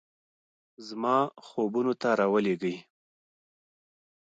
زما خوبونو ته راولیږئ